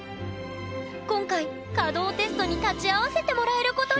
今回稼働テストに立ち会わせてもらえることに！